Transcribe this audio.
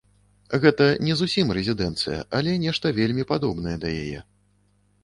Гэта не зусім рэзідэнцыя, але нешта вельмі падобнае да яе.